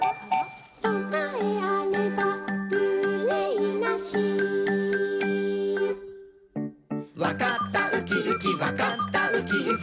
「そなえあればうれいなし」「わかったウキウキわかったウキウキ」